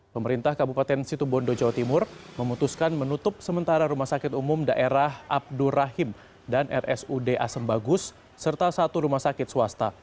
pemerintah kabupaten situ bondo jawa timur memutuskan menutup sementara rumah sakit umum daerah abdur rahim dan rsud asem bagus serta satu rumah sakit swasta